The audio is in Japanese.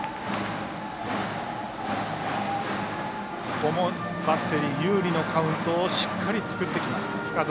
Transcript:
このバッテリー有利のカウントをしっかり作ってきます、深沢